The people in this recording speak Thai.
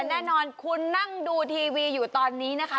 แน่นอนคุณนั่งดูทีวีอยู่ตอนนี้นะคะ